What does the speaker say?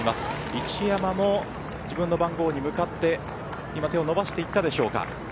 一山も自分の番号に向かって手を伸ばしていったでしょうか。